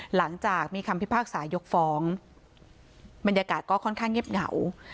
หลังจากมีคำพิพากษายกฟ้องบรรยากาศก็ค่อนข้างเงียบเหงา